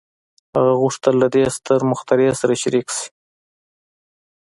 هغه غوښتل له دې ستر مخترع سره شريک شي.